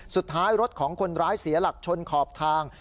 สุดท้ายรถของคนร้ายเสียหลักชนขอบทาง